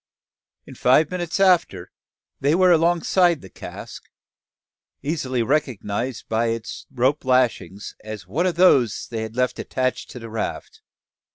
In five minutes after, they were alongside the cask, easily recognised by its rope lashings, as one of those they had left attached to the raft.